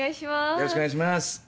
よろしくお願いします